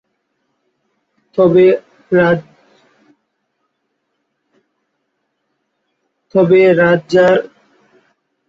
তবে, রাজ্যের সহিংসতা হ্রাসের সঙ্গে রাজ্যের অর্থনীতি বিশেষভাবে পর্যটনের উন্নতি সাধন হয়েছে।